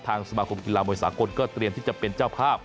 สมาคมกีฬามวยสากลก็เตรียมที่จะเป็นเจ้าภาพ